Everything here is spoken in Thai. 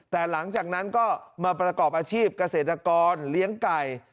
แต่หลังจากนั้นก็มาประกอบอาชีพเกษตรกรเลี้ยงไก่